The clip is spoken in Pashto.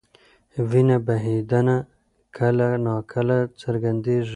وینه بهېدنه کله ناکله څرګندېږي.